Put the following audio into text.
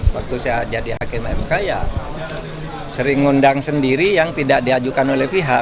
waktu saya jadi hakim mk ya sering ngundang sendiri yang tidak diajukan oleh pihak